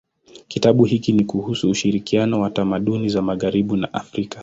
Kitabu hiki ni kuhusu ushirikiano wa tamaduni za magharibi na Afrika.